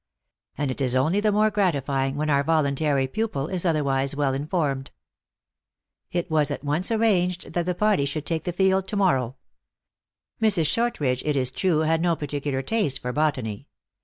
And it is only the more gratifying when our voluntary pupil is otherwise well informed. It was at once arranged that the party should take the field to morrow, Mrs. Shortridge, it is true, had THE ACTRESS IN HIGH LIFE. 91 no particular taste for botany.